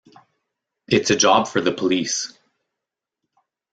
It's a job for the police!